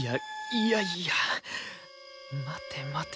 いやいや待て待て